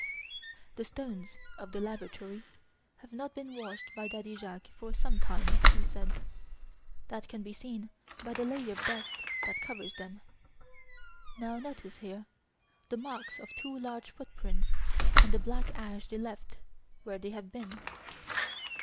"The stones of the lavatory have not been washed by Daddy Jacques for some time," he said; "that can be seen by the layer of dust that covers them. Now, notice here, the marks of two large footprints and the black ash they left where they have been.